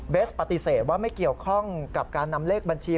ปฏิเสธว่าไม่เกี่ยวข้องกับการนำเลขบัญชี